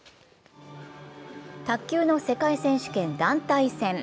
卓球の世界選手権団体戦。